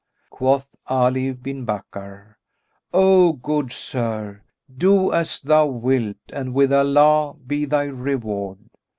Quoth Ali bin Bakkar, "O good Sir, do as thou wilt and with Allah be thy reward!